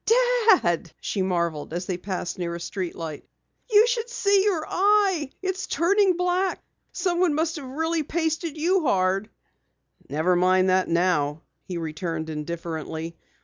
"Dad," she marveled as they passed near a street light, "you should see your eye! It's turning black. Someone must have pasted you hard." "Never mind that now," he returned indifferently.